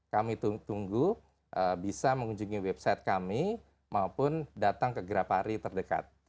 kami tunggu bisa mengunjungi website kami maupun datang ke grafari terdekat